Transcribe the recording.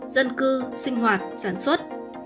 dân cư sinh hoạt sản xuất